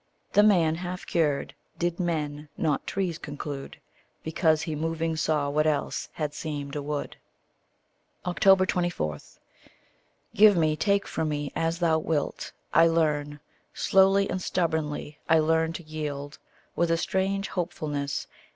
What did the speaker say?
The man, half cured, did men not trees conclude, Because he moving saw what else had seemed a wood. 24. Give me, take from me, as thou wilt. I learn Slowly and stubbornly I learn to yield With a strange hopefulness.